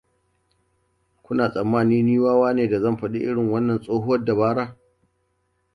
Kuna tsammani ni wawa ne da zan faɗi irin wannan tsohuwar dabara?